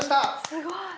すごい！